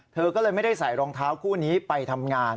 เธอก็เลยไม่ได้ใส่รองเท้าคู่นี้ไปทำงาน